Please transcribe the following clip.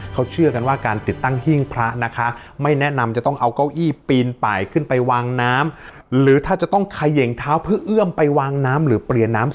เขาเชื่อกันว่าการติดตั้งหิ้งพระนะคะไม่แนะนำจะต้องเอาเก้าอี้ปีนป่ายขึ้นไปวางน้ำหรือถ้าจะต้องเขย่งเท้าเพื่อเอื้อมไปวางน้ำหรือเปลี่ยนน้ำ